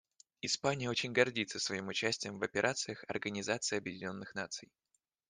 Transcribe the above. Испания очень гордится своим участием в операциях Организации Объединенных Наций.